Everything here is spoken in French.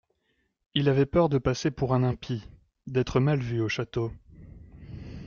Il avait peur de passer pour un impie, d'être mal vu au château.